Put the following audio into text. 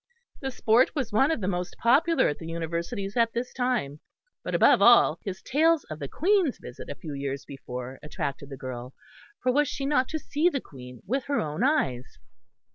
The sport was one of the most popular at the universities at this time. But above all his tales of the Queen's visit a few years before attracted the girl, for was she not to see the Queen with her own eyes?